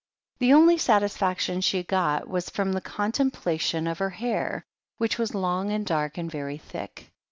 The only satisfaction she got was from the contempla tion of her hair, which was long and dark and very thick.